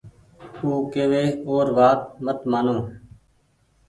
او ڪوي اور وآت مت مآنو